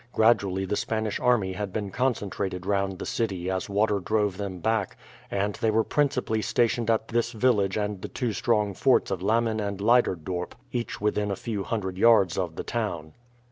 Gradually the Spanish army had been concentrated round the city as the water drove them back, and they were principally stationed at this village and the two strong forts of Lammen and Leyderdorp, each within a few hundred yards of the town.